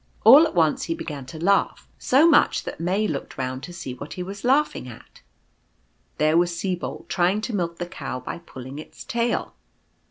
All at once he began to laugh, so much that May looked round to see what he was laughing at. There was Sibold trying to milk the Cow by pulling its tail.